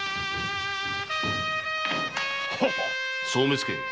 総目付